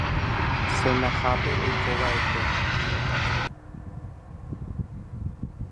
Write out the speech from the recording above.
Senahápe oikova'ekue